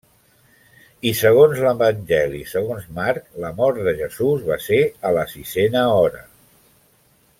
I segons l'Evangeli segons Marc la mort de Jesús va ser a la sisena hora.